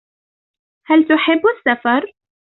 هَلْ تُحِبُّ السَّفَرَ.